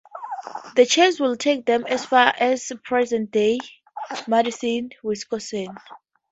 The chase would take them as far as present day Madison, Wisconsin.